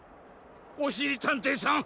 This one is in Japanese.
おしりたんていさん